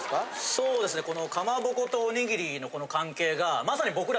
そうですねこの。